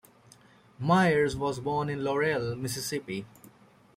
Myers was born in Laurel, Mississippi.